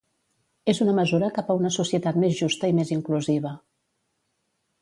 És una mesura cap a una societat més justa i més inclusiva.